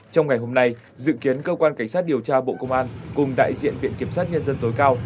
trong ngày hôm nay dự kiến cơ quan cảnh sát điều tra bộ công an cùng đại diện viện kiểm sát nhân dân tối cao